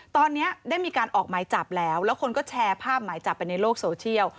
ตอนนี้ได้มีการออกหมายจับแล้วแล้วคนก็แชร์ภาพหมายจับไปในโลกโซเชียล